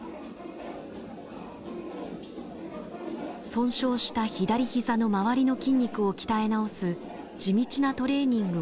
損傷した左ひざの周りの筋肉を鍛え直す地道なトレーニングを繰り返していきます。